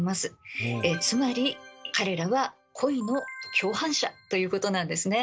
つまり彼らは恋の共犯者ということなんですね。